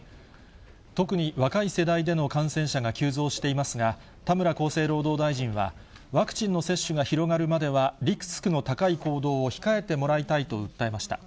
特に若い世代での感染者が急増していますが、田村厚生労働大臣は、ワクチンの接種が広がるまでは、リスクの高い行動を控えてもらいたいと訴えました。